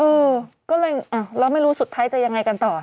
เออก็เลยเราไม่รู้สุดท้ายจะยังไงกันต่อ